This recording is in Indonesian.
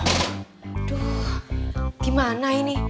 aduh gimana ini